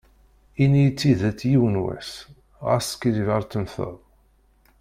Ini-yi tidet yiwen was, ɣas skiddib ar temteḍ.